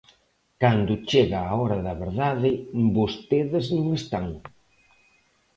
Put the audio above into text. Cando chega a hora da verdade, vostedes non están.